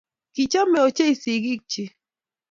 Kichomei ochei sikiik chiik.